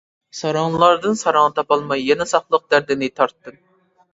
ساراڭلاردىن ساراڭ تاپالماي، يەنە ساقلىق دەردىنى تارتتىم.